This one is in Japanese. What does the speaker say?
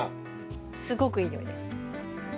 すごくいい匂いです。